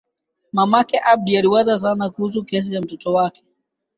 Mamake Abdi aliwaza sana kuhusu kesi ya mtoto wake.